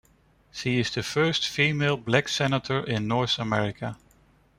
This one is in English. She is the first female black Senator in North America.